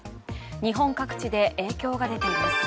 日本各地で影響が出ています。